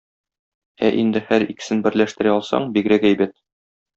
Ә инде һәр икесен берләштерә алсаң, бигрәк әйбәт.